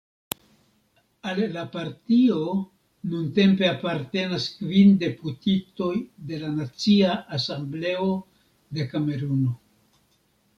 Al la partio nuntempe apartenas kvin deputitoj de la Nacia Asembleo de Kameruno.